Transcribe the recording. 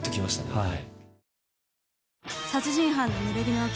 はい。